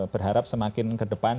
berharap semakin ke depan